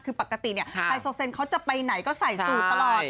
คือปกติเนี่ยไฮโซเซนเขาจะไปไหนก็ใส่สูตรตลอด